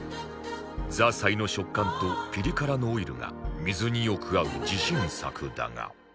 ザーサイの食感とピリ辛のオイルが水によく合う自信作だが